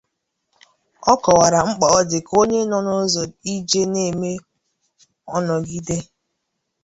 Ọ kọwara mkpà ọ dị na onye nọ n'ụzọ ijè na-eme ọ nọgide